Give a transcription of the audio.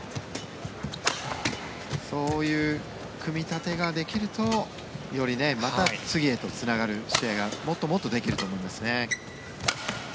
そういう組み立てができるとよりまた次へとつながる試合がもっともっとできると思いますね。